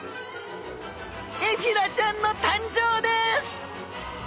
エフィラちゃんの誕生です！